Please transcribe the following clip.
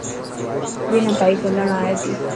اي نا بائڪ هلائڻ آئي تي.